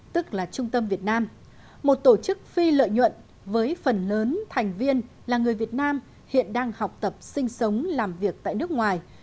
tức là trung tâm việt nam một tổ chức phi lợi nhuận với phần lớn thành viên là người việt nam hiện đang học tập sinh sống làm việc tại nước ngoài